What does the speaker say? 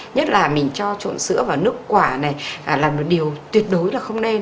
nhất là mình cho trộn sữa và nước quả này là một điều tuyệt đối là không nên